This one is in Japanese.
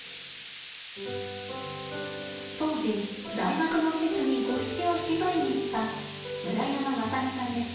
当時大学の施設にゴヒチを引き取りに行った村山正巳さんです。